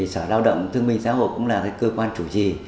sở lao động thương minh xã hội cũng là cơ quan chủ trì